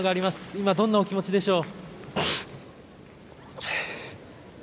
今、どんなお気持ちでしょう？